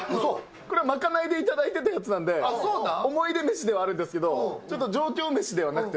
これは賄いで頂いてたやつなんで、思い出メシではあるんですけど、ちょっと上京メシではなくて、